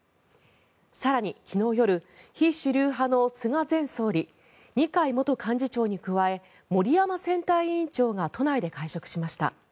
更に、昨日夜非主流派の菅前総理二階元幹事長に加え森山選対委員長が都内で会食しました。